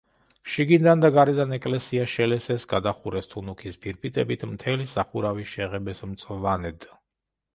შიგნიდან და გარედან ეკლესია შელესეს, გადახურეს თუნუქის ფირფიტებით, მთელი სახურავი შეღებეს მწვანედ.